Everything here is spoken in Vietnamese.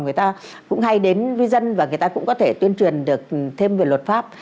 người ta cũng hay đến với dân và người ta cũng có thể tuyên truyền được thêm về luật pháp